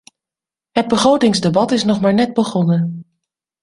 Het begrotingsdebat is nog maar net begonnen.